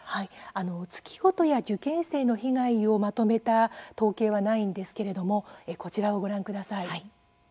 月ごとや受験生の被害をまとめた統計はないんですけれどもこちらをご覧ください。